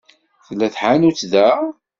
Tella tḥanutt da?